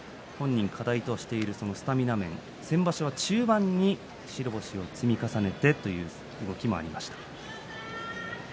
本人課題としてはスタミナ面先場所は中盤に白星を積み重ねてきました。